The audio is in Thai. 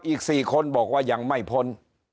อีก๔คนบอกว่ายังไม่พ้น